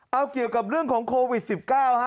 เอาเกี่ยวกับเรื่องของโควิด๑๙ฮะ